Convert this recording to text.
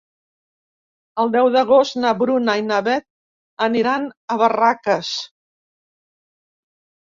El deu d'agost na Bruna i na Beth aniran a Barraques.